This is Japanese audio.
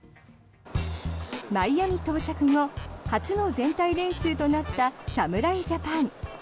マイアミ到着後初の全体練習となった侍ジャパン。